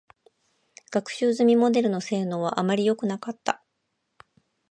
学習済みモデルの性能は、あまりよくなかった。